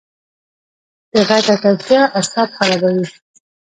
د غږ ککړتیا اعصاب خرابوي.